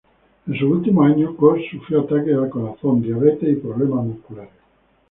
En sus últimos años, Kos sufrió ataques al corazón, diabetes y problemas musculares.